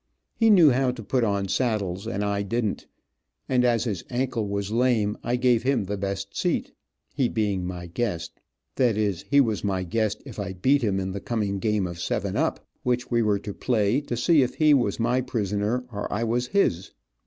He knew how to put on saddles, and I didn t, and as his ankle was lame I gave him the best seat, he being my guest, that is, he was my guest if I beat him in the coming game of seven up, which we were to play to see if he was my prisoner, or I was his.